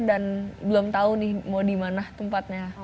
dan belum tau nih mau dimana tempatnya